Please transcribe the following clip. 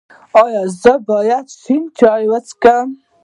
ایا زه باید شین چای وڅښم؟